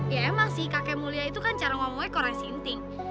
ya emang sih kakek mau lia itu kan cara ngomongnya kok resinting